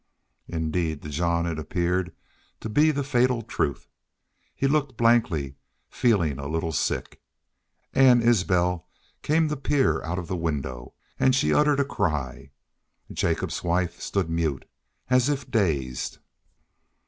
Indeed, to Jean it appeared to be the fatal truth. He looked blankly, feeling a little sick. Ann Isbel came to peer out of the window and she uttered a cry. Jacobs's wife stood mute, as if dazed.